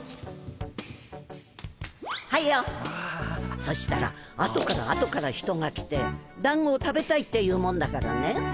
そしたら後から後から人が来てだんごを食べたいっていうもんだからね。